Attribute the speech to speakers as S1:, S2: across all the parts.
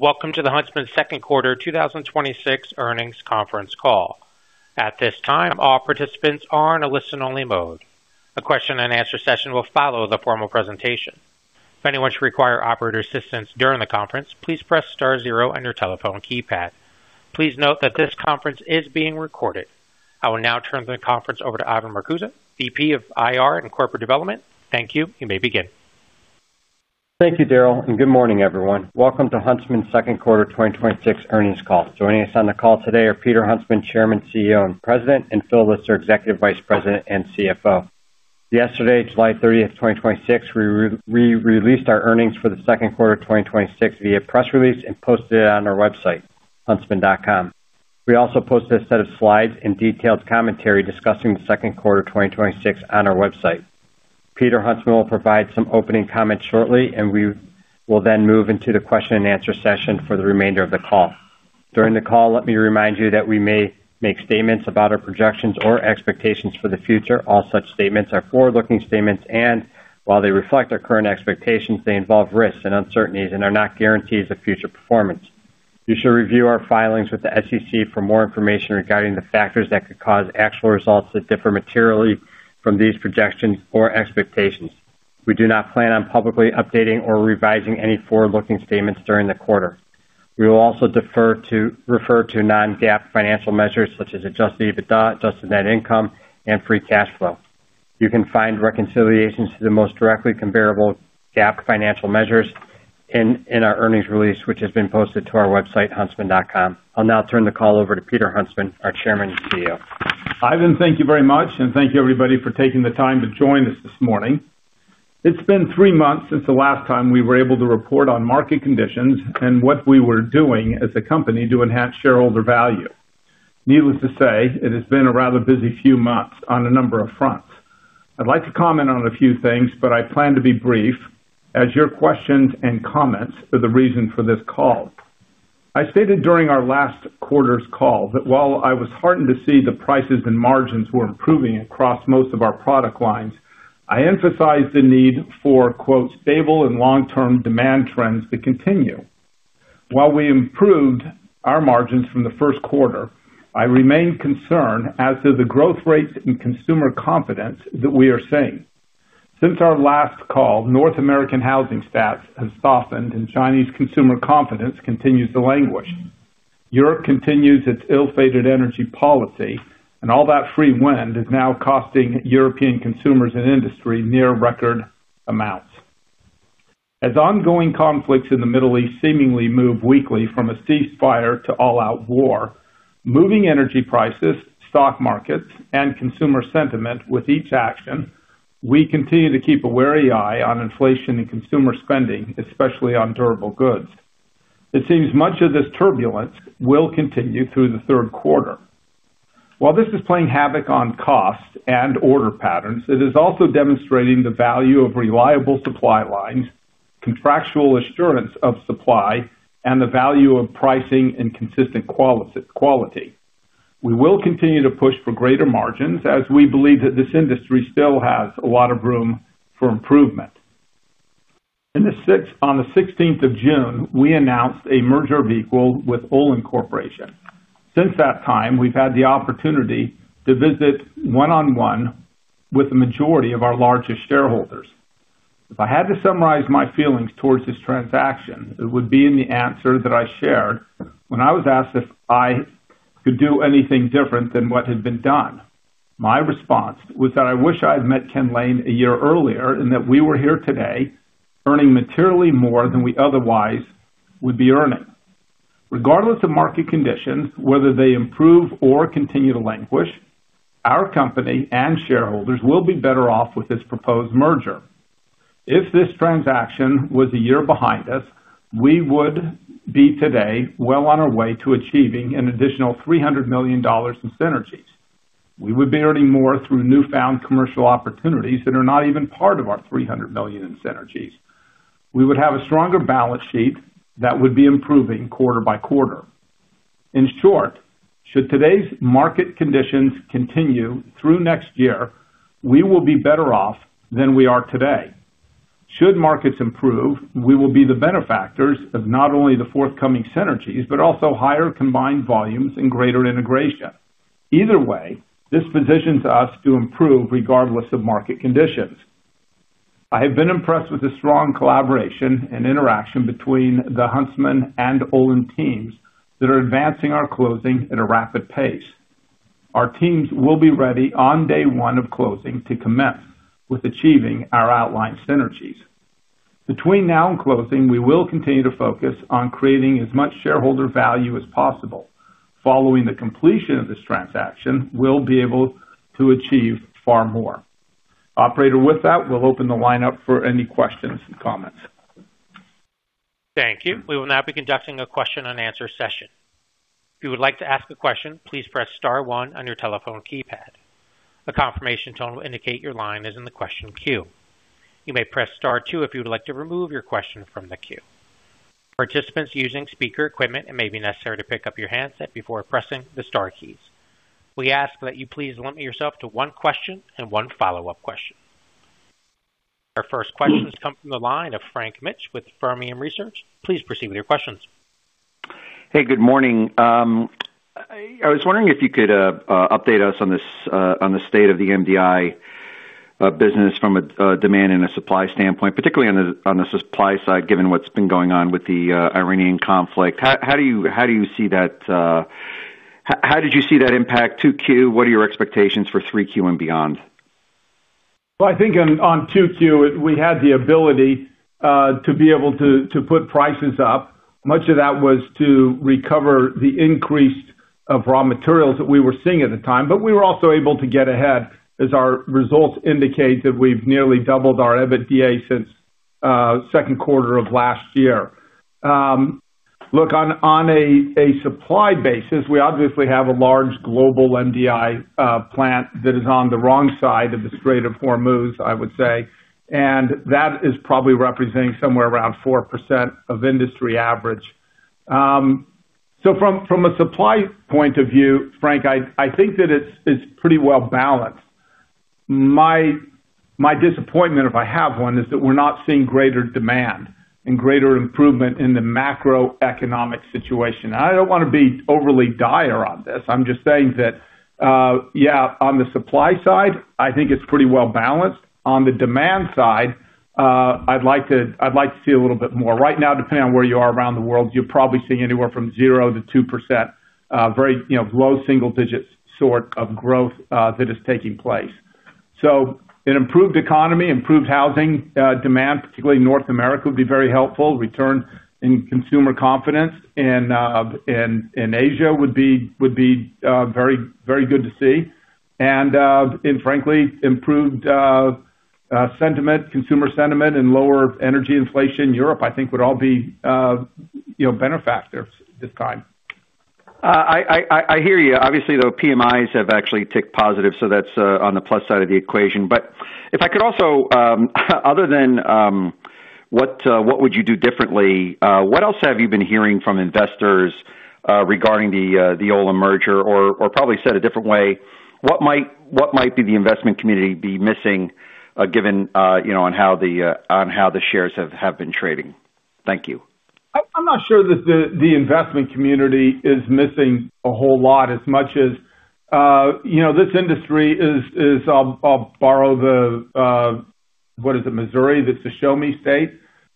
S1: Welcome to the Huntsman second quarter 2026 earnings conference call. At this time, all participants are in a listen-only mode. A question and answer session will follow the formal presentation. If anyone should require operator assistance during the conference, please press star zero on your telephone keypad. Please note that this conference is being recorded. I will now turn the conference over to Ivan Marcuse, VP of IR and Corporate Development. Thank you. You may begin.
S2: Thank you, Daryl. Good morning, everyone. Welcome to Huntsman's second quarter 2026 earnings call. Joining us on the call today are Peter Huntsman, Chairman, CEO, and President, and Phil Lister, Executive Vice President and CFO. Yesterday, July 30th, 2026, we released our earnings for the second quarter of 2026 via press release and posted it on our website, huntsman.com. We also posted a set of slides and detailed commentary discussing the second quarter 2026 on our website. Peter Huntsman will provide some opening comments shortly. We will then move into the question-and-answer session for the remainder of the call. During the call, let me remind you that we may make statements about our projections or expectations for the future. All such statements are forward-looking statements. While they reflect our current expectations, they involve risks and uncertainties and are not guarantees of future performance. You should review our filings with the SEC for more information regarding the factors that could cause actual results to differ materially from these projections or expectations. We do not plan on publicly updating or revising any forward-looking statements during the quarter. We will also refer to non-GAAP financial measures such as adjusted EBITDA, adjusted net income, and free cash flow. You can find reconciliations to the most directly comparable GAAP financial measures in our earnings release, which has been posted to our website, huntsman.com. I'll now turn the call over to Peter Huntsman, our Chairman and CEO.
S3: Ivan, thank you very much. Thank you, everybody, for taking the time to join us this morning. It's been three months since the last time we were able to report on market conditions and what we were doing as a company to enhance shareholder value. Needless to say, it has been a rather busy few months on a number of fronts. I'd like to comment on a few things. I plan to be brief, as your questions and comments are the reason for this call. I stated during our last quarter's call that while I was heartened to see the prices and margins were improving across most of our product lines, I emphasized the need for, quote, "stable and long-term demand trends to continue." While we improved our margins from the first quarter, I remain concerned as to the growth rates and consumer confidence that we are seeing. Since our last call, North American housing stats have softened, and Chinese consumer confidence continues to languish. Europe continues its ill-fated energy policy, and all that free wind is now costing European consumers and industry near record amounts. As ongoing conflicts in the Middle East seemingly move weekly from a ceasefire to all-out war, moving energy prices, stock markets, and consumer sentiment with each action, we continue to keep a wary eye on inflation and consumer spending, especially on durable goods. It seems much of this turbulence will continue through the third quarter. While this is playing havoc on cost and order patterns, it is also demonstrating the value of reliable supply lines, contractual assurance of supply, and the value of pricing and consistent quality. We will continue to push for greater margins as we believe that this industry still has a lot of room for improvement. On the 16th of June, we announced a merger of equal with Olin Corporation. Since that time, we've had the opportunity to visit one-on-one with the majority of our largest shareholders. If I had to summarize my feelings towards this transaction, it would be in the answer that I shared when I was asked if I could do anything different than what had been done. My response was that I wish I had met Ken Lane a year earlier and that we were here today earning materially more than we otherwise would be earning. Regardless of market conditions, whether they improve or continue to languish, our company and shareholders will be better off with this proposed merger. If this transaction was a year behind us, we would be today well on our way to achieving an additional $300 million in synergies. We would be earning more through newfound commercial opportunities that are not even part of our $300 million in synergies. We would have a stronger balance sheet that would be improving quarter by quarter. In short, should today's market conditions continue through next year, we will be better off than we are today. Should markets improve, we will be the benefactors of not only the forthcoming synergies but also higher combined volumes and greater integration. Either way, this positions us to improve regardless of market conditions. I have been impressed with the strong collaboration and interaction between the Huntsman and Olin teams that are advancing our closing at a rapid pace. Our teams will be ready on day one of closing to commence with achieving our outlined synergies. Between now and closing, we will continue to focus on creating as much shareholder value as possible. Following the completion of this transaction, we'll be able to achieve far more. Operator, with that, we'll open the line up for any questions and comments.
S1: Thank you. We will now be conducting a question-and-answer session. If you would like to ask a question, please press star one on your telephone keypad. A confirmation tone will indicate your line is in the question queue. You may press star two if you would like to remove your question from the queue. Participants using speaker equipment, it may be necessary to pick up your handset before pressing the star keys. We ask that you please limit yourself to one question and one follow-up question. Our first questions come from the line of Frank Mitsch with Fermium Research. Please proceed with your questions.
S4: Hey, good morning. I was wondering if you could update us on the state of the MDI business from a demand and a supply standpoint, particularly on the supply side, given what's been going on with the Iranian conflict. How did you see that impact 2Q? What are your expectations for 3Q and beyond?
S3: Well, I think on 2Q, we had the ability to be able to put prices up. Much of that was to recover the increased raw materials that we were seeing at the time, but we were also able to get ahead, as our results indicate, that we've nearly doubled our EBITDA since second quarter of last year. Look, on a supply basis, we obviously have a large global MDI plant that is on the wrong side of the Strait of Hormuz, I would say, and that is probably representing somewhere around 4% of industry average. From a supply point of view, Frank, I think that it's pretty well-balanced. My disappointment, if I have one, is that we're not seeing greater demand and greater improvement in the macroeconomic situation. I don't want to be overly dire on this. I'm just saying that, yeah, on the supply side, I think it's pretty well-balanced. On the demand side, I'd like to see a little bit more. Right now, depending on where you are around the world, you're probably seeing anywhere from 0%-2%, very low single digits sort of growth that is taking place. An improved economy, improved housing demand, particularly North America, would be very helpful. Return in consumer confidence in Asia would be very good to see. Frankly, improved consumer sentiment and lower energy inflation in Europe, I think would all be benefactors this time.
S4: I hear you. Obviously, though, PMIs have actually ticked positive, so that's on the plus side of the equation. If I could also, other than what would you do differently, what else have you been hearing from investors regarding the Olin merger? Probably said a different way, what might be the investment community be missing given on how the shares have been trading? Thank you.
S3: I'm not sure that the investment community is missing a whole lot as much as this industry is, I'll borrow the, what is it, Missouri? That's a show me state.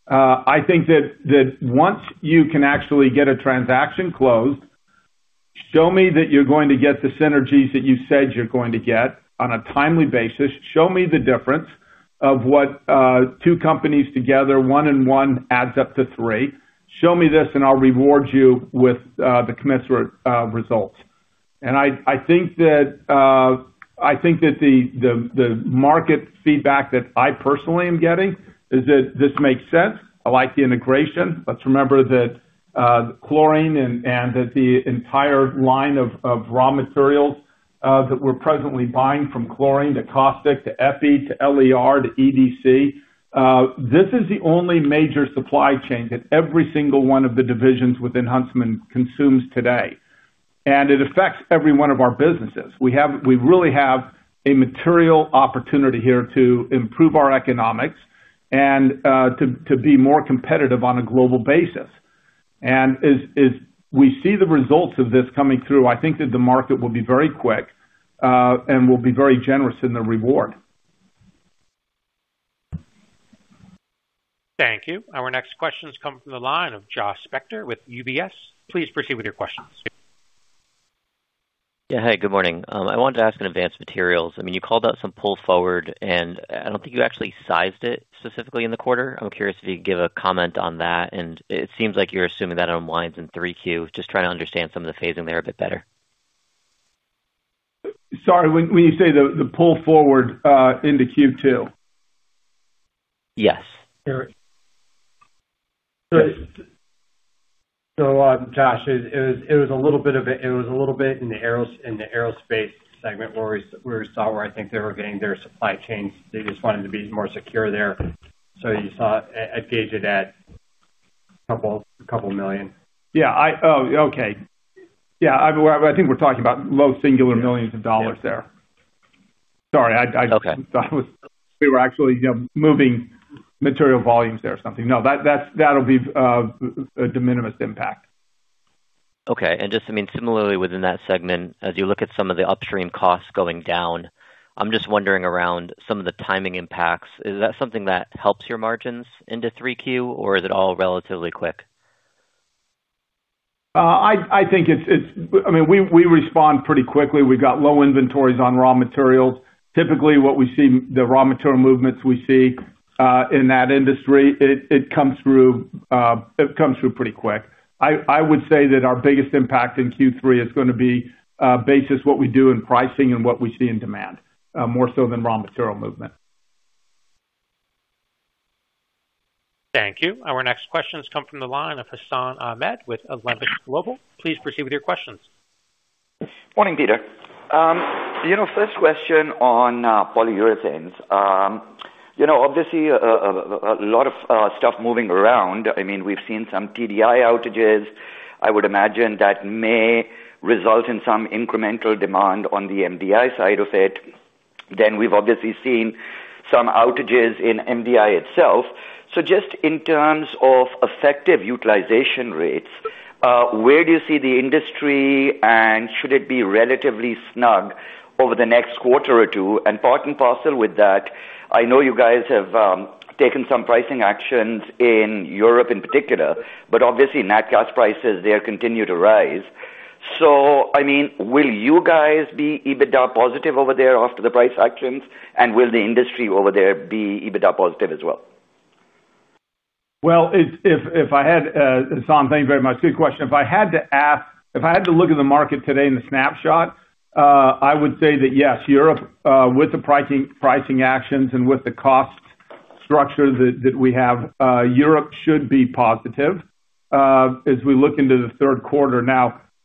S3: I think that once you can actually get a transaction closed, show me that you're going to get the synergies that you said you're going to get on a timely basis. Show me the difference of what two companies together, one and one adds up to three. Show me this, I'll reward you with the commensurate results. I think that the market feedback that I personally am getting is that this makes sense. I like the integration. Let's remember that chlorine and that the entire line of raw materials that we're presently buying from chlorine to caustic to Epi to LER to EDC, this is the only major supply chain that every single one of the divisions within Huntsman consumes today, and it affects every one of our businesses. We really have a material opportunity here to improve our economics and to be more competitive on a global basis. As we see the results of this coming through, I think that the market will be very quick and will be very generous in the reward.
S1: Thank you. Our next question comes from the line of Josh Spector with UBS. Please proceed with your questions.
S5: Yeah. Hi, good morning. I wanted to ask in Advanced Materials, I don't think you actually sized it specifically in the quarter. I'm curious if you could give a comment on that, it seems like you're assuming that unwinds in 3Q. Just trying to understand some of the phasing there a bit better.
S3: Sorry, when you say the pull forward into Q2?
S5: Yes.
S2: Josh, it was a little bit in the aerospace segment where I think they were getting their supply chains. They just wanted to be more secure there. You saw a gauge of that, a couple million.
S3: Yeah. Okay. Yeah, I think we're talking about low singular millions of dollars there.
S5: Yeah.
S3: Sorry.
S5: Okay.
S3: I thought we were actually moving material volumes there or something. No, that'll be a de minimis impact.
S5: Okay. Just similarly within that segment, as you look at some of the upstream costs going down, I'm just wondering around some of the timing impacts. Is that something that helps your margins into 3Q, or is it all relatively quick?
S3: We respond pretty quickly. We've got low inventories on raw materials. Typically, what we see, the raw material movements we see in that industry, it comes through pretty quick. I would say that our biggest impact in Q3 is going to be based as what we do in pricing and what we see in demand, more so than raw material movement.
S1: Thank you. Our next question comes from the line of Hassan Ahmed with Alembic Global. Please proceed with your questions.
S6: Morning, Peter. First question on Polyurethanes. Obviously, a lot of stuff moving around. We've seen some TDI outages I would imagine that may result in some incremental demand on the MDI side of it. We've obviously seen some outages in MDI itself. Just in terms of effective utilization rates, where do you see the industry? Should it be relatively snug over the next quarter or two? Part and parcel with that, I know you guys have taken some pricing actions in Europe in particular, but obviously Nat gas prices there continue to rise. Will you guys be EBITDA positive over there after the price actions? Will the industry over there be EBITDA positive as well?
S3: Hassan, thank you very much. Good question. If I had to look at the market today in a snapshot, I would say that yes, Europe, with the pricing actions and with the cost structure that we have, Europe should be positive as we look into the third quarter.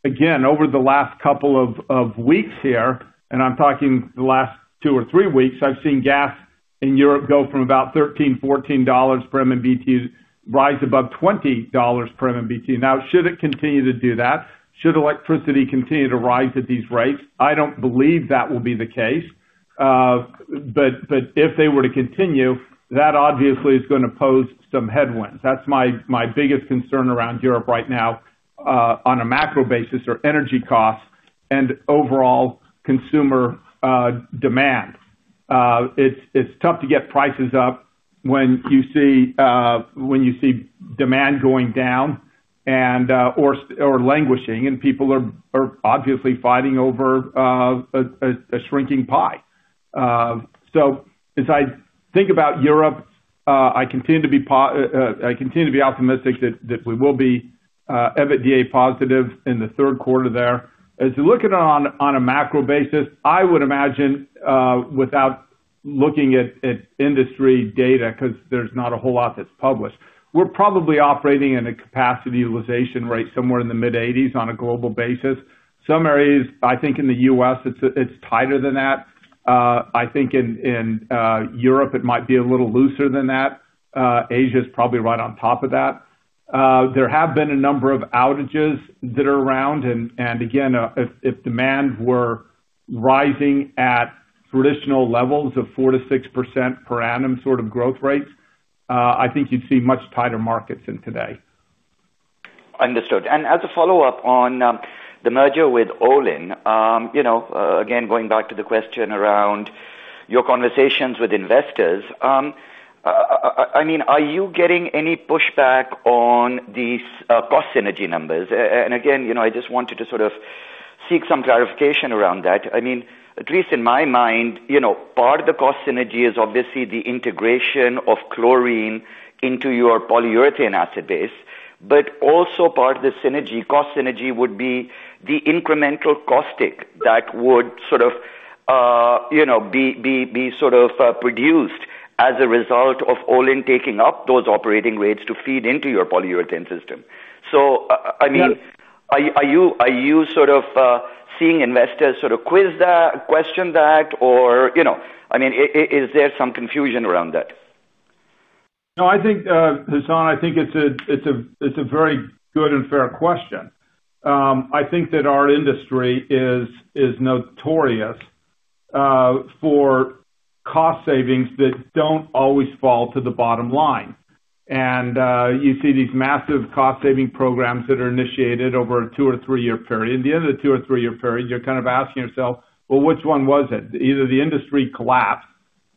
S3: Again, over the last couple of weeks here, I'm talking the last two or three weeks, I've seen gas in Europe go from about $13, $14 per MMBtu rise above $20 per MMBtu. Should it continue to do that? Should electricity continue to rise at these rates? I don't believe that will be the case. If they were to continue, that obviously is going to pose some headwinds. That's my biggest concern around Europe right now on a macro basis, are energy costs and overall consumer demand. It's tough to get prices up when you see demand going down or languishing, people are obviously fighting over a shrinking pie. As I think about Europe, I continue to be optimistic that we will be EBITDA positive in the third quarter there. As you look at it on a macro basis, I would imagine without looking at industry data, because there's not a whole lot that's published, we're probably operating in a capacity utilization rate somewhere in the mid-80s on a global basis. Some areas, I think in the U.S., it's tighter than that. I think in Europe it might be a little looser than that. Asia is probably right on top of that. There have been a number of outages that are around, again, if demand were rising at traditional levels of 4%-6% per annum sort of growth rates, I think you'd see much tighter markets than today.
S6: Understood. As a follow-up on the merger with Olin, again, going back to the question around your conversations with investors. Are you getting any pushback on these cost synergy numbers? Again, I just wanted to sort of seek some clarification around that. At least in my mind, part of the cost synergy is obviously the integration of chlorine into your polyurethane acid base. Also part of the synergy, cost synergy would be the incremental caustic that would be sort of produced as a result of Olin taking up those operating rates to feed into your polyurethane system.
S3: Yeah.
S6: Are you sort of seeing investors sort of quiz that, question that, or is there some confusion around that?
S3: No, Hassan, I think it's a very good and fair question. I think that our industry is notorious for cost savings that don't always fall to the bottom line. You see these massive cost-saving programs that are initiated over a two or three-year period. At the end of the two or three-year period, you're kind of asking yourself, well, which one was it? Either the industry collapsed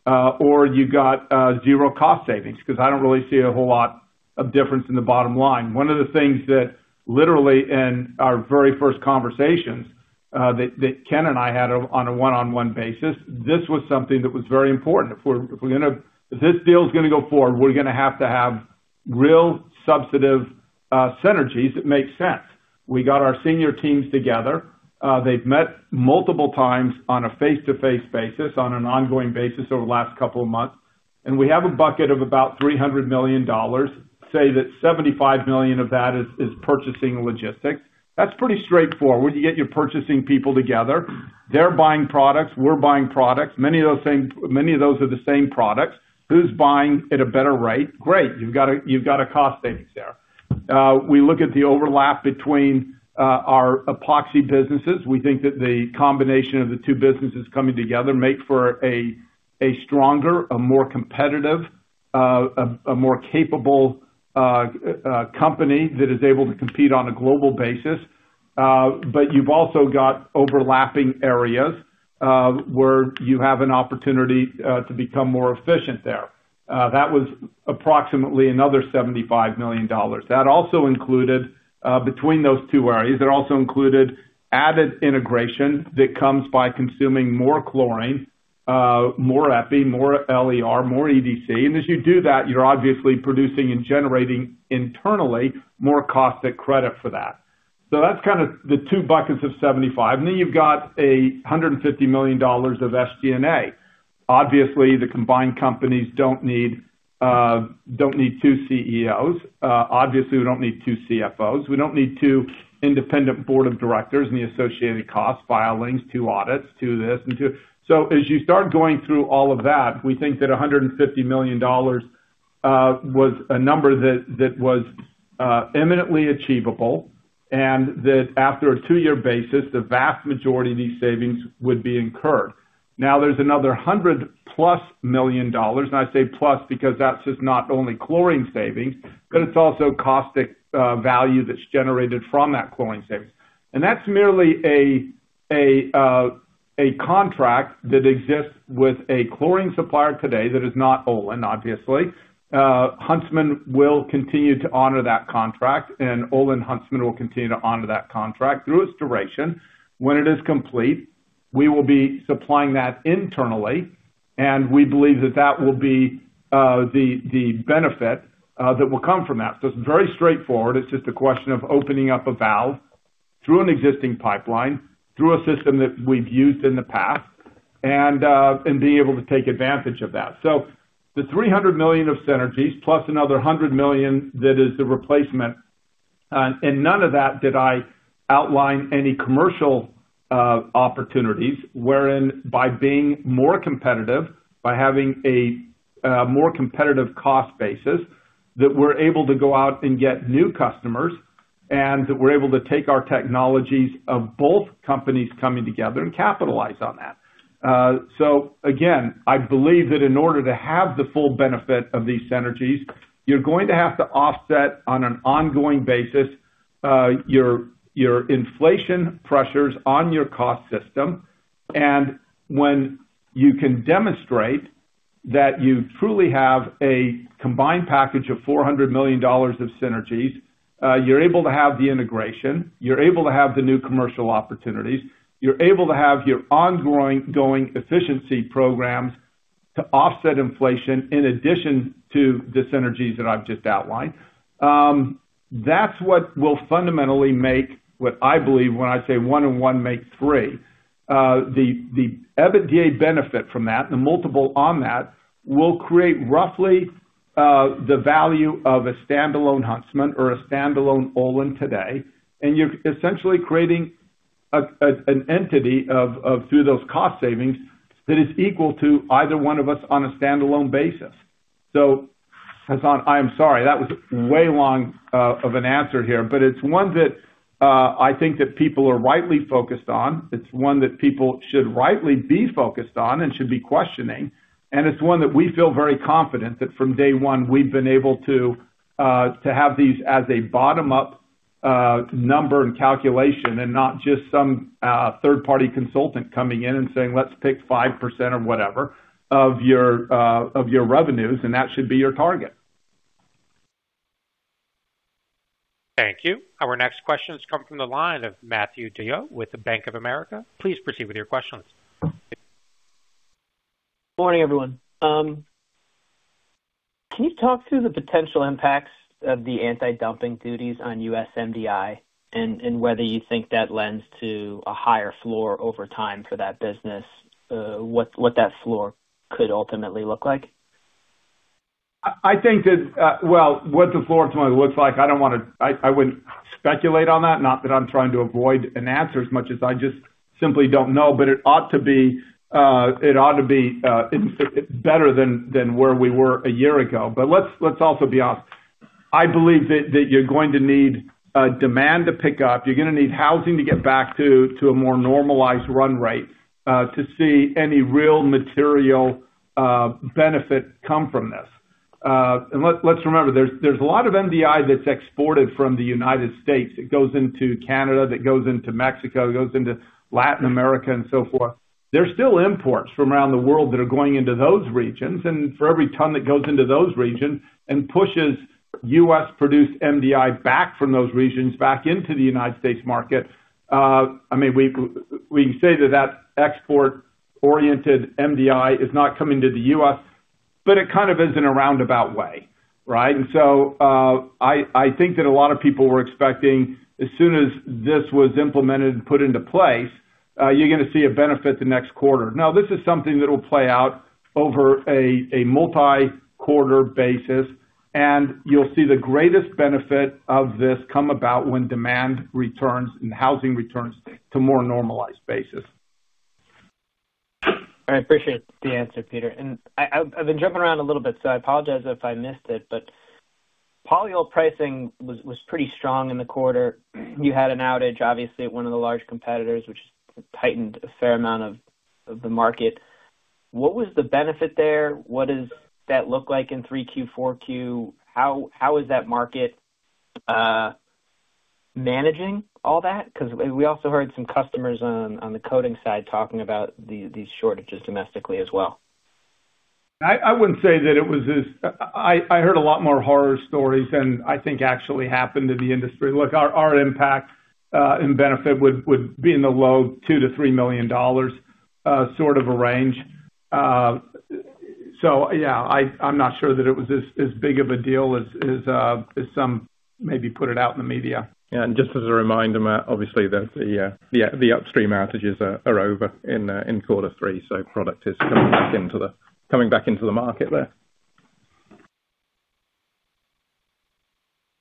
S3: or you got zero cost savings. I don't really see a whole lot of difference in the bottom line. One of the things that literally in our very first conversations that Ken and I had on a one-on-one basis, this was something that was very important. If this deal is going to go forward, we're going to have to have real substantive synergies that make sense. We got our senior teams together. They've met multiple times on a face-to-face basis, on an ongoing basis over the last couple of months. We have a bucket of about $300 million. Say that $75 million of that is purchasing logistics. That's pretty straightforward. You get your purchasing people together. They're buying products, we're buying products. Many of those are the same products. Who's buying at a better rate? Great. You've got a cost savings there. We look at the overlap between our epoxy businesses. We think that the combination of the two businesses coming together make for a stronger, a more competitive, a more capable company that is able to compete on a global basis. You've also got overlapping areas, where you have an opportunity to become more efficient there. That was approximately another $75 million. Between those two areas, that also included added integration that comes by consuming more chlorine, more EPI, more LER, more EDC. As you do that, you're obviously producing and generating internally more caustic credit for that. That's kind of the two buckets of $75. Then you've got $150 million of SG&A. Obviously, the combined companies don't need two CEOs. Obviously, we don't need two CFOs. We don't need two independent board of directors and the associated cost filings, two audits, two this. As you start going through all of that, we think that $150 million was a number that was imminently achievable, and that after a two-year basis, the vast majority of these savings would be incurred. There's another $100 plus million, I say plus because that's just not only chlorine savings, but it's also caustic value that's generated from that chlorine savings. That's merely a contract that exists with a chlorine supplier today that is not Olin, obviously. Huntsman will continue to honor that contract, and OlinHuntsman will continue to honor that contract through its duration. When it is complete, we will be supplying that internally, and we believe that that will be the benefit that will come from that. It's very straightforward. It's just a question of opening up a valve through an existing pipeline, through a system that we've used in the past and being able to take advantage of that. The $300 million of synergies plus another $100 million that is the replacement, none of that did I outline any commercial opportunities wherein by being more competitive, by having a more competitive cost basis, that we're able to go out and get new customers, and that we're able to take our technologies of both companies coming together and capitalize on that. Again, I believe that in order to have the full benefit of these synergies, you're going to have to offset on an ongoing basis your inflation pressures on your cost system. When you can demonstrate that you truly have a combined package of $400 million of synergies, you're able to have the integration, you're able to have the new commercial opportunities, you're able to have your ongoing efficiency programs to offset inflation in addition to the synergies that I've just outlined. That's what will fundamentally make what I believe when I say one and one make three. The EBITDA benefit from that, the multiple on that, will create roughly the value of a standalone Huntsman or a standalone Olin today, and you're essentially creating an entity through those cost savings that is equal to either one of us on a standalone basis. Hassan, I am sorry. That was way long of an answer here, but it's one that I think that people are rightly focused on. It's one that people should rightly be focused on and should be questioning, and it's one that we feel very confident that from day one we've been able to have these as a bottom-up number and calculation and not just some third-party consultant coming in and saying, Let's pick 5% or whatever of your revenues, and that should be your target.
S1: Thank you. Our next question has come from the line of Matthew DeYoe with Bank of America. Please proceed with your questions.
S7: Morning, everyone. Can you talk through the potential impacts of the anti-dumping duties on U.S. MDI and whether you think that lends to a higher floor over time for that business? What that floor could ultimately look like?
S3: What the floor ultimately looks like, I wouldn't speculate on that. Not that I'm trying to avoid an answer as much as I just simply don't know, but it ought to be better than where we were a year ago. Let's also be honest. I believe that you're going to need demand to pick up. You're going to need housing to get back to a more normalized run rate to see any real material benefit come from this. Let's remember, there's a lot of MDI that's exported from the United States that goes into Canada, that goes into Mexico, that goes into Latin America and so forth. There's still imports from around the world that are going into those regions, and for every ton that goes into those regions and pushes U.S.-produced MDI back from those regions back into the United States market. We can say that export-oriented MDI is not coming to the U.S., but it kind of is in a roundabout way, right? I think that a lot of people were expecting, as soon as this was implemented and put into place, you're going to see a benefit the next quarter. No, this is something that will play out over a multi-quarter basis, and you'll see the greatest benefit of this come about when demand returns and housing returns to more normalized basis.
S7: I appreciate the answer, Peter. I've been jumping around a little bit, so I apologize if I missed it, but polyol pricing was pretty strong in the quarter. You had an outage, obviously, at one of the large competitors, which tightened a fair amount of the market. What was the benefit there? What does that look like in 3Q, 4Q? How is that market managing all that? Because we also heard some customers on the coating side talking about these shortages domestically as well.
S3: I heard a lot more horror stories than I think actually happened in the industry. Look, our impact in benefit would be in the low $2 million-$3 million sort of a range. Yeah, I'm not sure that it was as big of a deal as some maybe put it out in the media.
S8: Just as a reminder, Matt, obviously, that the upstream outages are over in quarter three, so product is coming back into the market there.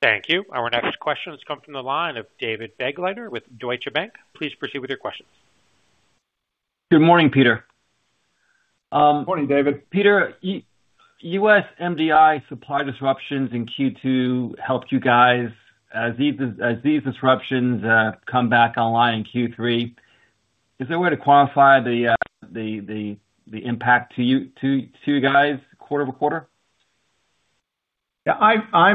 S1: Thank you. Our next question has come from the line of David Begleiter with Deutsche Bank. Please proceed with your questions.
S9: Good morning, Peter.
S3: Morning, David.
S9: Peter, U.S. MDI supply disruptions in Q2 helped you guys. As these disruptions come back online in Q3, is there a way to quantify the impact to you guys quarter-over-quarter?
S3: I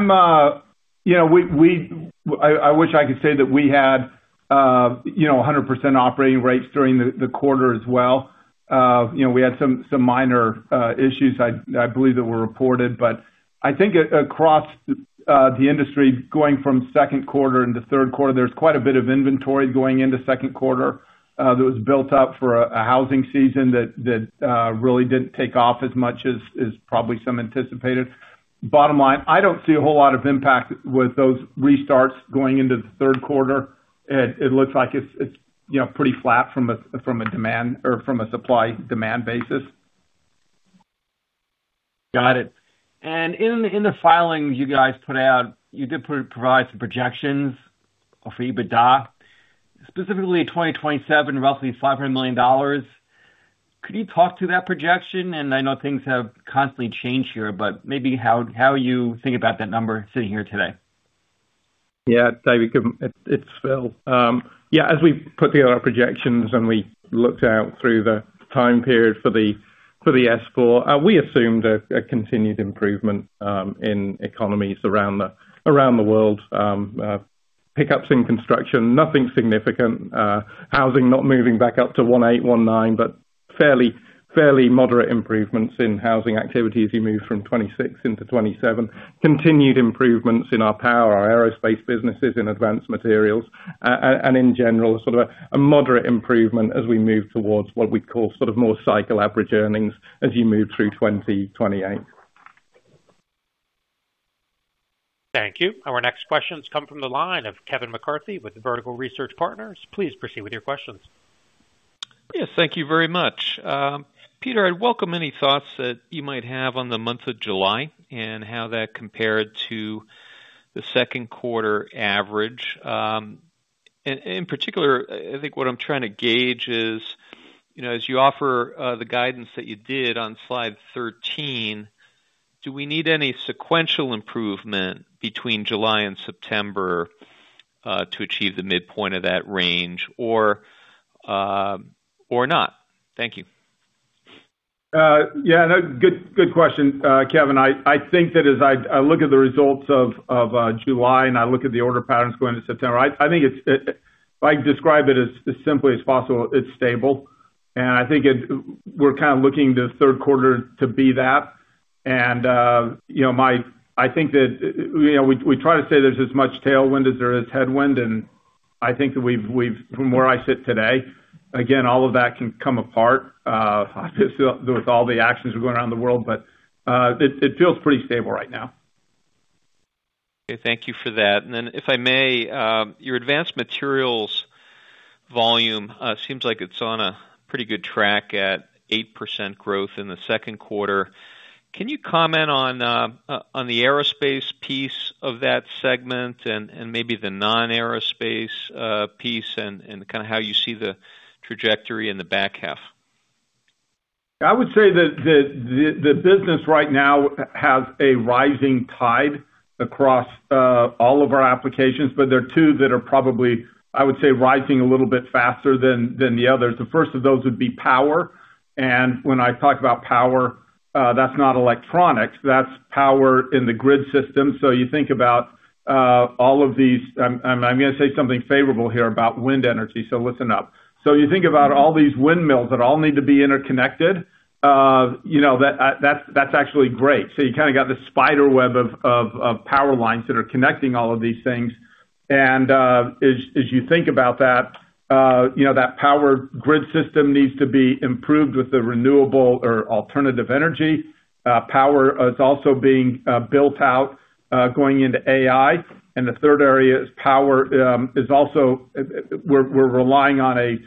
S3: wish I could say that we had 100% operating rates during the quarter as well. We had some minor issues; I believe that were reported. I think across the industry, going from second quarter into third quarter, there was quite a bit of inventory going into second quarter that was built up for a housing season that really didn't take off as much as probably some anticipated. Bottom line, I don't see a whole lot of impact with those restarts going into the third quarter. It looks like it's pretty flat from a supply-demand basis.
S9: Got it. In the filings you guys put out, you did provide some projections for EBITDA, specifically in 2027, roughly $500 million. Could you talk to that projection? I know things have constantly changed here, but maybe how you think about that number sitting here today.
S8: Yeah, David, it's Phil. As we put together our projections and we looked out through the time period for the S-4, we assumed a continued improvement in economies around the world. Pickups in construction, nothing significant. Housing not moving back up to 1.8, 1.9, but fairly moderate improvements in housing activity as you move from 2026 into 2027. Continued improvements in our power, our aerospace businesses in Advanced Materials. In general, sort of a moderate improvement as we move towards what we'd call more cycle average earnings as you move through 2028.
S1: Thank you. Our next question has come from the line of Kevin McCarthy with Vertical Research Partners. Please proceed with your questions.
S10: Yes, thank you very much. Peter, I'd welcome any thoughts that you might have on the month of July and how that compared to the second quarter average. In particular, I think what I'm trying to gauge is, as you offer the guidance that you did on slide 13, do we need any sequential improvement between July and September, to achieve the midpoint of that range or not? Thank you.
S3: Yeah. Good question, Kevin. I think that as I look at the results of July and I look at the order patterns going into September, if I describe it as simply as possible, it's stable. I think we're kind of looking the third quarter to be that. We try to say there's as much tailwind as there is headwind, I think that from where I sit today, again, all of that can come apart with all the actions going around the world. It feels pretty stable right now.
S10: Okay. Thank you for that. Then if I may, your Advanced Materials volume seems like it's on a pretty good track at 8% growth in the second quarter. Can you comment on the aerospace piece of that segment and maybe the non-aerospace piece and kind of how you see the trajectory in the back half?
S3: I would say that the business right now has a rising tide across all of our applications. There are two that are probably, I would say, rising a little bit faster than the others. The first of those would be power. When I talk about power, that's not electronics. That's power in the grid system. You think about all of these I'm going to say something favorable here about wind energy, so listen up. You think about all these windmills that all need to be interconnected. That's actually great. You kind of got this spider web of power lines that are connecting all of these things. As you think about that power grid system needs to be improved with the renewable or alternative energy. Power is also being built out going into AI. The third area is power is also we're relying on a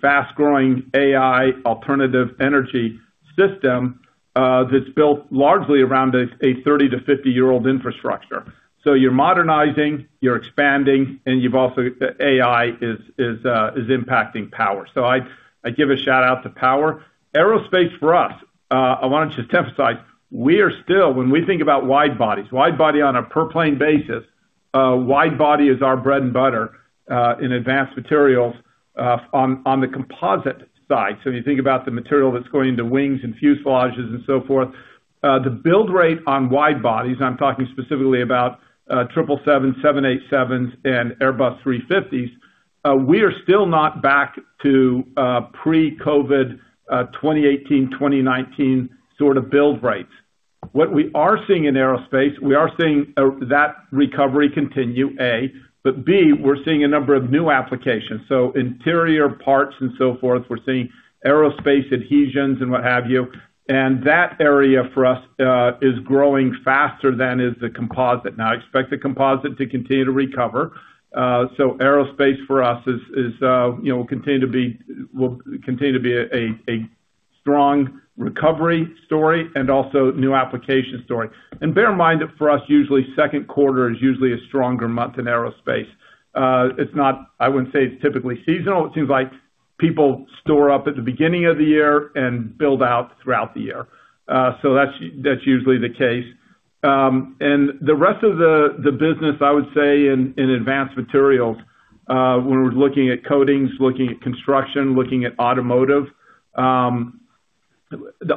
S3: fast-growing AI alternative energy system that's built largely around a 30 to 50-year-old infrastructure. You're modernizing, you're expanding, and you've also, AI is impacting power. I give a shout-out to power. Aerospace for us, I want to just emphasize, we are still, when we think about wide bodies, wide body on a per plane basis, wide body is our bread and butter in Advanced Materials on the composite side. You think about the material that's going into wings and fuselages and so forth. The build rate on wide bodies, and I'm talking specifically about 777, 787s, and Airbus A350s, we are still not back to pre-COVID 2018, 2019 sort of build rates. What we are seeing in aerospace, we are seeing that recovery continue, A. B, we're seeing a number of new applications. Interior parts and so forth. We're seeing aerospace adhesions and what have you. That area for us is growing faster than is the composite. Now, I expect the composite to continue to recover. Aerospace for us will continue to be a strong recovery story and also new application story. Bear in mind that for us, usually second quarter is usually a stronger month in aerospace. I wouldn't say it's typically seasonal. It seems like people store up at the beginning of the year and build out throughout the year. That's usually the case. The rest of the business, I would say in Advanced Materials, when we're looking at coatings, looking at construction, looking at automotive,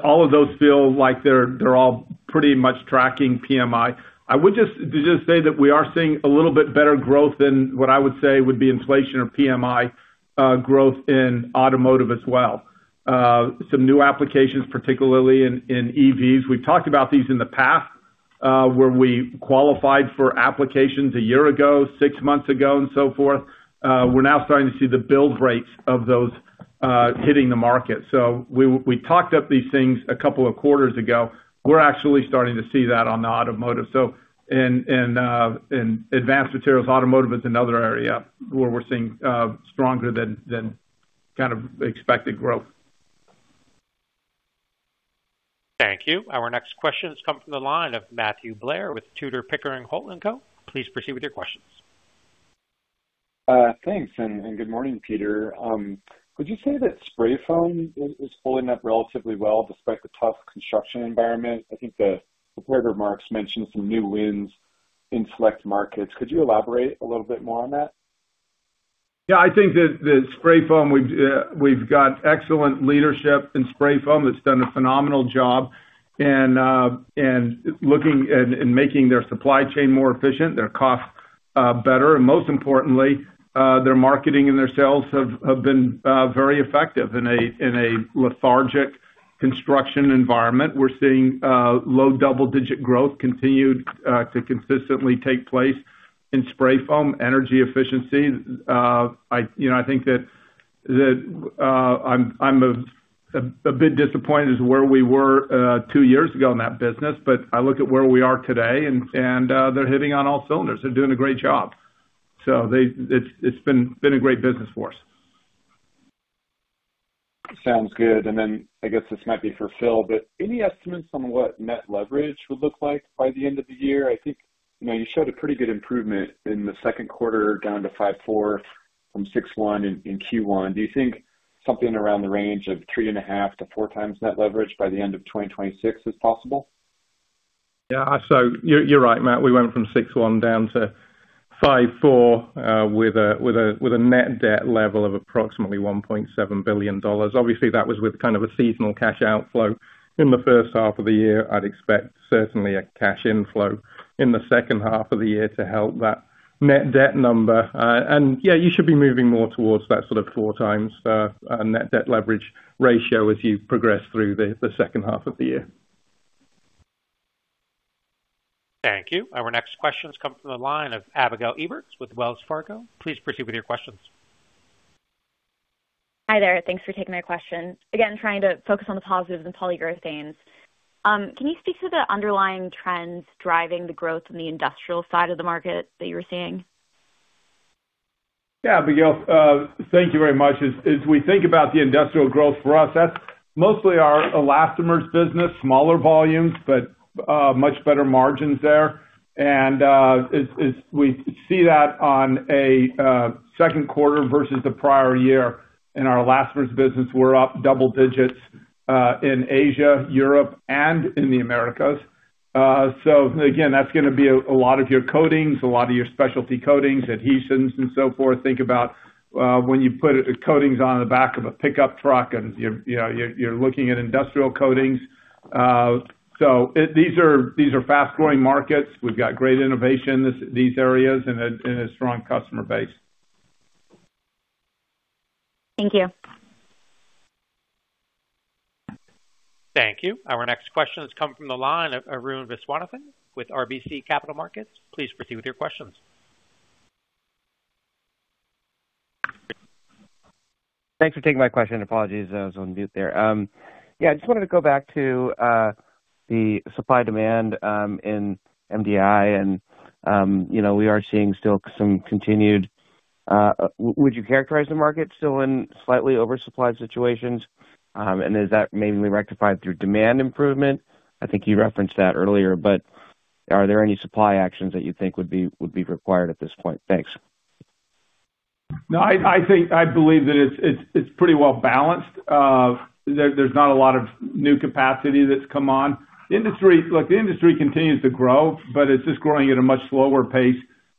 S3: all of those feel like they're all pretty much tracking PMIs. I would just say that we are seeing a little bit better growth than what I would say would be inflation or PMI growth in automotive as well. Some new applications, particularly in EVs. We've talked about these in the past, where we qualified for applications a year ago, six months ago, and so forth. We're now starting to see the build rates of those hitting the market. We talked up these things a couple of quarters ago. We're actually starting to see that on the automotive. In Advanced Materials, automotive is another area where we're seeing stronger than kind of expected growth.
S1: Thank you. Our next question comes from the line of Matthew Blair with Tudor, Pickering, Holt & Co. Please proceed with your questions.
S11: Thanks, good morning, Peter. Would you say that spray foam is holding up relatively well despite the tough construction environment? I think the prepared remarks mentioned some new wins in select markets. Could you elaborate a little bit more on that?
S3: I think that spray foam, we've got excellent leadership in spray foam, that's done a phenomenal job in making their supply chain more efficient, their cost better, and most importantly, their marketing and their sales have been very effective in a lethargic construction environment. We're seeing low double-digit growth continued to consistently take place in spray foam energy efficiency. I think that I'm a bit disappointed as where we were two years ago in that business, but I look at where we are today and they're hitting on all cylinders. They're doing a great job. It's been a great business for us.
S11: Sounds good. I guess this might be for Phil, but any estimates on what net leverage would look like by the end of the year? I think you showed a pretty good improvement in the second quarter down to 5.4 from 6.1 in Q1. Do you think something around the range of 3.5-4 times net leverage by the end of 2026 is possible?
S8: You're right, Matt. We went from 6.1 down to 5.4, with a net debt level of approximately $1.7 billion. Obviously, that was with kind of a seasonal cash outflow in the first half of the year. I'd expect certainly a cash inflow in the second half of the year to help that net debt number. You should be moving more towards that sort of four times net debt leverage ratio as you progress through the second half of the year.
S1: Thank you. Our next question comes from the line of Abigail Eberts with Wells Fargo. Please proceed with your questions.
S12: Hi there. Thanks for taking my question. Trying to focus on the positives in Polyurethanes. Can you speak to the underlying trends driving the growth in the industrial side of the market that you were seeing?
S3: Yeah, Abigail. Thank you very much. As we think about the industrial growth for us, that's mostly our Elastomers business. Smaller volumes, much better margins there. We see that on a second quarter versus the prior year in our Elastomers business. We're up double digits, in Asia, Europe, and in the Americas. Again, that's going to be a lot of your Coatings, a lot of your specialty Coatings, Adhesives, and so forth. Think about when you put Coatings on the back of a pickup truck, and you're looking at industrial Coatings. These are fast-growing markets. We've got great innovation in these areas and a strong customer base.
S12: Thank you.
S1: Thank you. Our next question has come from the line of Arun Viswanathan with RBC Capital Markets. Please proceed with your questions.
S13: Thanks for taking my question. Apologies, I was on mute there. I just wanted to go back to the supply-demand in MDI. Would you characterize the market still in slightly oversupplied situations? Is that mainly rectified through demand improvement? I think you referenced that earlier, but are there any supply actions that you think would be required at this point? Thanks.
S3: No, I believe that it's pretty well-balanced. There's not a lot of new capacity that's come on. Look, the industry continues to grow, but it's just growing at a much slower pace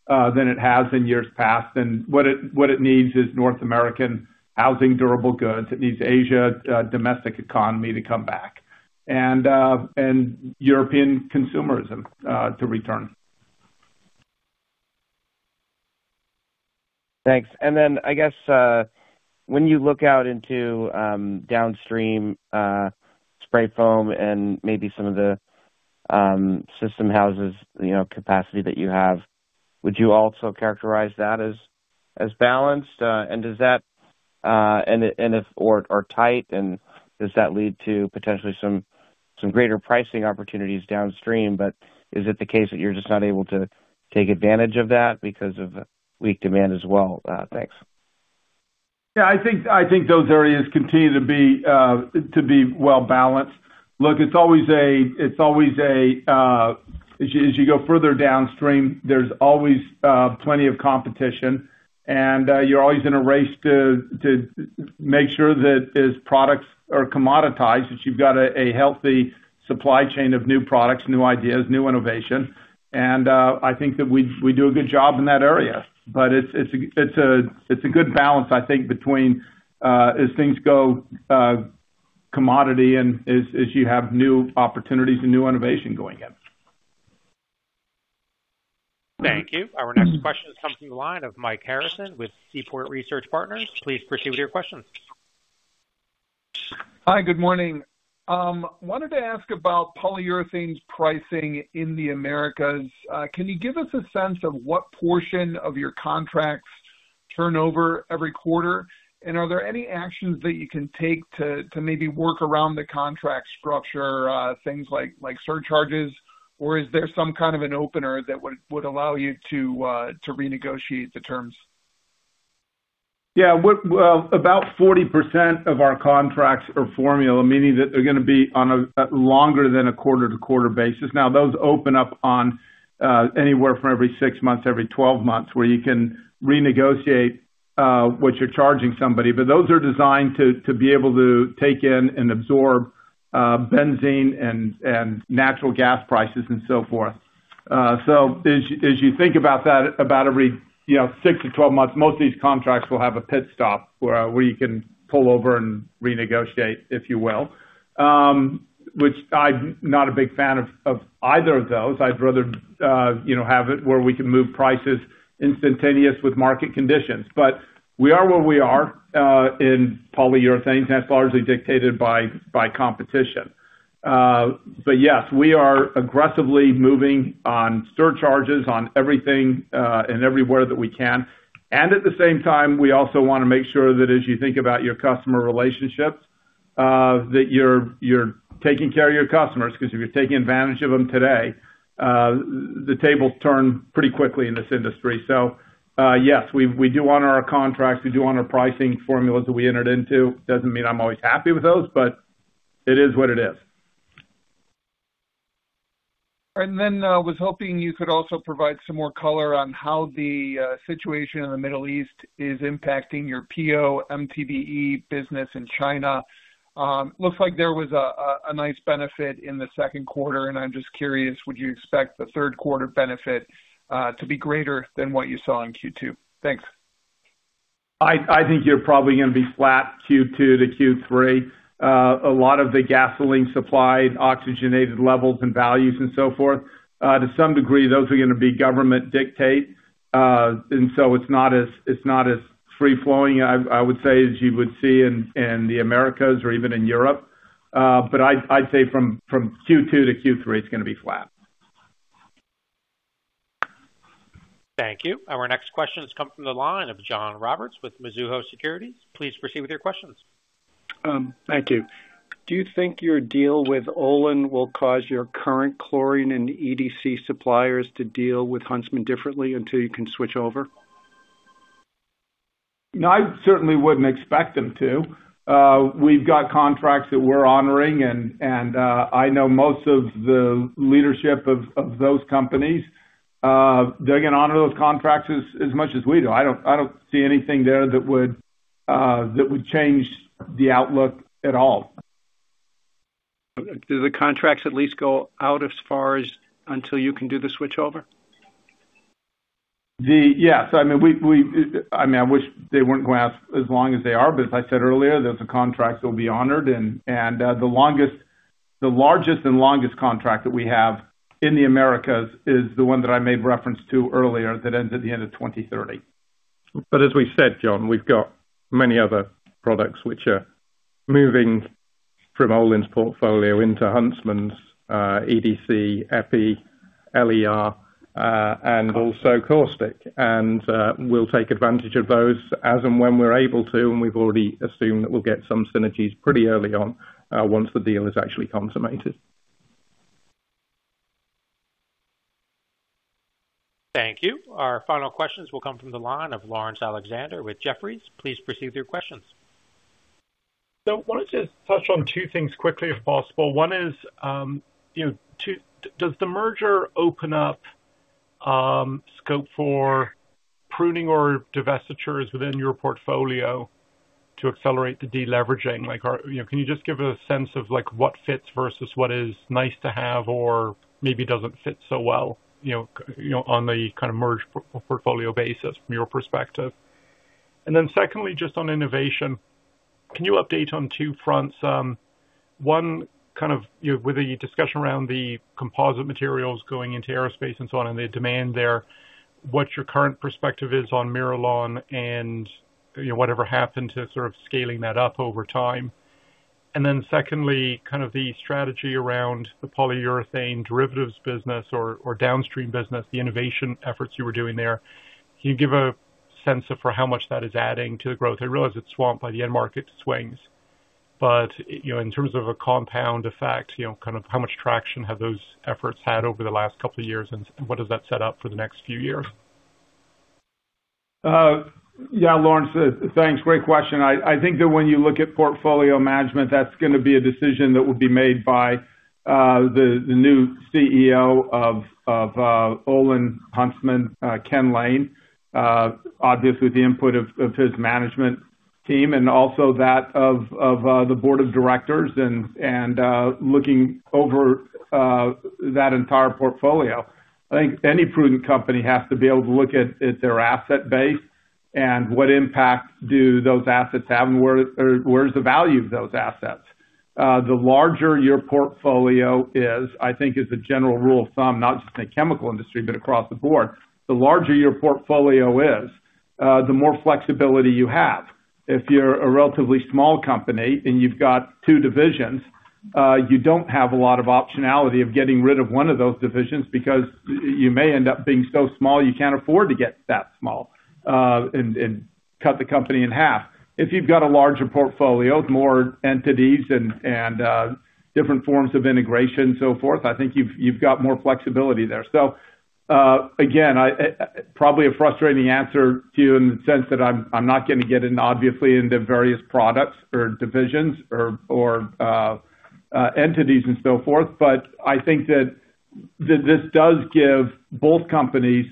S3: than it has in years past. What it needs is North American housing durable goods. It needs Asia domestic economy to come back, and European consumerism to return.
S13: Thanks. I guess when you look out into downstream spray foam and maybe some of the system houses capacity that you have, would you also characterize that as balanced? If or tight, does that lead to potentially some greater pricing opportunities downstream, but is it the case that you're just not able to take advantage of that because of weak demand as well? Thanks.
S3: I think those areas continue to be well-balanced. Look, as you go further downstream, there's always plenty of competition and you're always in a race to make sure that as products are commoditized, that you've got a healthy supply chain of new products, new ideas, new innovation. I think that we do a good job in that area. It's a good balance, I think, between as things go commodity and as you have new opportunities and new innovation going in.
S1: Thank you. Our next question comes from the line of Mike Harrison with Seaport Research Partners. Please proceed with your question.
S14: Hi, good morning. Wanted to ask about Polyurethanes pricing in the Americas. Can you give us a sense of what portion of your contracts turn over every quarter? Are there any actions that you can take to maybe work around the contract structure, things like surcharges? Is there some kind of an opener that would allow you to renegotiate the terms?
S3: Yeah. About 40% of our contracts are formula, meaning that they're going to be on a longer than a quarter to quarter basis. Now, those open up on anywhere from every six months, every 12 months, where you can renegotiate what you're charging somebody. Those are designed to be able to take in and absorb benzene and natural gas prices and so forth. As you think about that, about every six to 12 months, most of these contracts will have a pit stop where you can pull over and renegotiate, if you will. Which I'm not a big fan of either of those. I'd rather have it where we can move prices instantaneous with market conditions. We are where we are in Polyurethanes, and that's largely dictated by competition. Yes, we are aggressively moving on surcharges on everything and everywhere that we can. At the same time, we also want to make sure that as you think about your customer relationships, that you're taking care of your customers, because if you're taking advantage of them today, the tables turn pretty quickly in this industry. Yes, we do honor our contracts. We do honor pricing formulas that we entered into. Doesn't mean I'm always happy with those, it is what it is.
S14: was hoping you could also provide some more color on how the situation in the Middle East is impacting your PO/MTBE business in China. Looks like there was a nice benefit in the second quarter, and I am just curious, would you expect the third quarter benefit to be greater than what you saw in Q2? Thanks.
S3: I think you're probably going to be flat Q2 to Q3. A lot of the gasoline supply and oxygenated levels and values and so forth, to some degree, those are going to be government dictate. It's not as free flowing, I would say, as you would see in the Americas or even in Europe. I'd say from Q2 to Q3, it's going to be flat.
S1: Thank you. Our next question has come from the line of John Roberts with Mizuho Securities. Please proceed with your questions.
S15: Thank you. Do you think your deal with Olin will cause your current chlorine and EDC suppliers to deal with Huntsman differently until you can switch over?
S3: No, I certainly wouldn't expect them to. We've got contracts that we're honoring, and I know most of the leadership of those companies. They're going to honor those contracts as much as we do. I don't see anything there that would change the outlook at all.
S15: Do the contracts at least go out as far as until you can do the switch over?
S3: Yes. I wish they weren't going to last as long as they are, but as I said earlier, those are contracts that will be honored. The largest and longest contract that we have in the Americas is the one that I made reference to earlier that ends at the end of 2030.
S8: As we said, John, we've got many other products which are moving from Olin's portfolio into Huntsman's EDC, EPI, LER, and also caustic. We'll take advantage of those as and when we're able to, and we've already assumed that we'll get some synergies pretty early on once the deal is actually consummated.
S1: Thank you. Our final questions will come from the line of Laurence Alexander with Jefferies. Please proceed with your questions.
S16: I wanted to touch on two things quickly, if possible. One is, does the merger open up scope for pruning or divestitures within your portfolio to accelerate the deleveraging? Can you just give a sense of what fits versus what is nice to have or maybe doesn't fit so well on the kind of merged portfolio basis from your perspective? Secondly, just on innovation, can you update on two fronts? One, kind of with the discussion around the composite materials going into aerospace and so on and the demand there, what your current perspective is on MIRALON and whatever happened to sort of scaling that up over time. Secondly, kind of the strategy around the polyurethane derivatives business or downstream business, the innovation efforts you were doing there. Can you give a sense for how much that is adding to the growth. I realize it's swamped by the end market swings, in terms of a compound effect, how much traction have those efforts had over the last couple of years, and what does that set up for the next few years?
S3: Laurence. Thanks. Great question. I think that when you look at portfolio management, that's going to be a decision that will be made by the new CEO of OlinHuntsman, Ken Lane. Obviously, the input of his management team and also that of the board of directors, and looking over that entire portfolio. I think any prudent company has to be able to look at their asset base and what impact do those assets have, and where's the value of those assets. The larger your portfolio is, I think as a general rule of thumb, not just in the chemical industry but across the board, the larger your portfolio is, the more flexibility you have. If you're a relatively small company and you've got two divisions, you don't have a lot of optionality of getting rid of one of those divisions because you may end up being so small you can't afford to get that small, and cut the company in half. If you've got a larger portfolio with more entities and different forms of integration, so forth, I think you've got more flexibility there. Again, probably a frustrating answer to you in the sense that I'm not going to get obviously into various products or divisions or entities and so forth. I think that this does give both companies,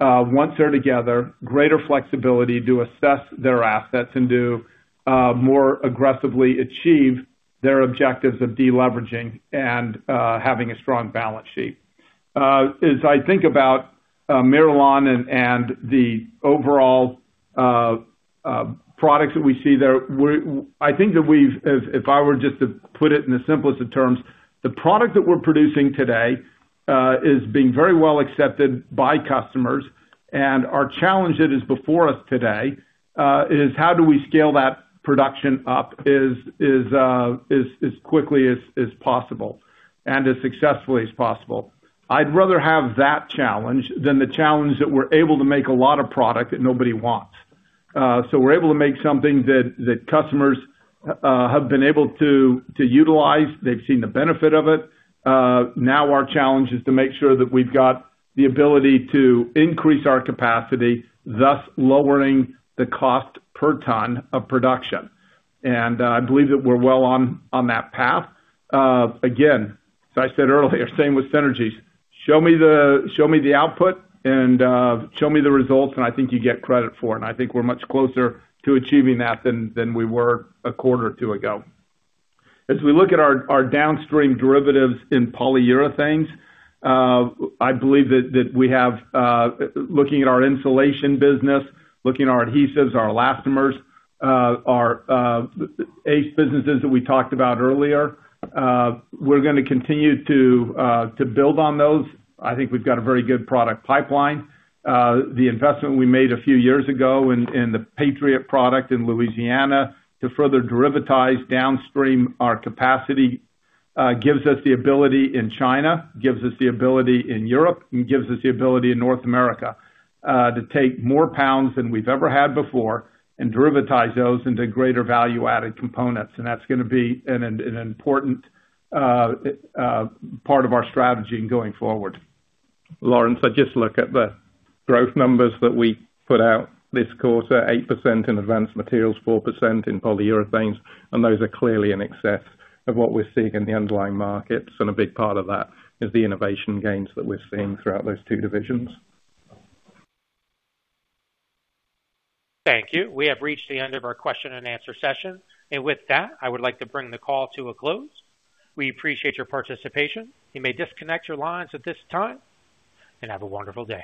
S3: once they're together, greater flexibility to assess their assets and to more aggressively achieve their objectives of de-leveraging and having a strong balance sheet. As I think about MIRALON and the overall products that we see there, I think that if I were just to put it in the simplest of terms, the product that we're producing today is being very well accepted by customers. Our challenge that is before us today is how do we scale that production up as quickly as possible and as successfully as possible. I'd rather have that challenge than the challenge that we're able to make a lot of product that nobody wants. We're able to make something that customers have been able to utilize. They've seen the benefit of it. Now our challenge is to make sure that we've got the ability to increase our capacity, thus lowering the cost per ton of production. I believe that we're well on that path. Again, as I said earlier, same with synergies. Show me the output and show me the results, I think you get credit for it, and I think we're much closer to achieving that than we were a quarter or two ago. As we look at our downstream derivatives in Polyurethanes, I believe that looking at our insulation business, looking at our adhesives, our elastomers, our ACE businesses that we talked about earlier, we're going to continue to build on those. I think we've got a very good product pipeline. The investment we made a few years ago in the Patriot product in Louisiana to further derivatize downstream our capacity gives us the ability in China, gives us the ability in Europe, and gives us the ability in North America to take more pounds than we've ever had before and derivatize those into greater value-added components. That's going to be an important part of our strategy going forward.
S8: Laurence, I just look at the growth numbers that we put out this quarter, 8% in Advanced Materials, 4% in Polyurethanes, Those are clearly in excess of what we're seeing in the underlying markets. A big part of that is the innovation gains that we're seeing throughout those two divisions.
S1: Thank you. We have reached the end of our question-and-answer session. With that, I would like to bring the call to a close. We appreciate your participation. You may disconnect your lines at this time, and have a wonderful day.